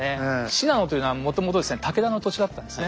信濃というのはもともと武田の土地だったんですね。